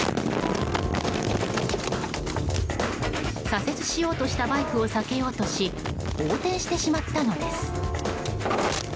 左折しようとしたバイクを避けようとし横転してしまったのです。